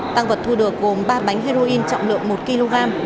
tăng vật thu được gồm ba bánh heroin trọng lượng một kg